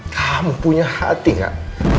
kamu punya hati gak